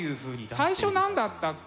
最初何だったっけ？